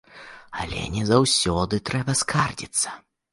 Але не заўсёды трэба скардзіцца.